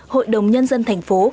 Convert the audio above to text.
hội đồng nhân dân thành phố